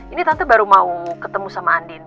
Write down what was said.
ini tante baru mau ketemu sama andin